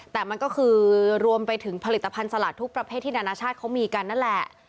แต่มันก็คือรวมไปถึงผลิตภัณฑ์สลากทุกประเภทที่นานาชาติเขามีกันนั่นแหละ